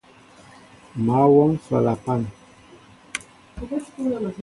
Mă wɔŋ flapan.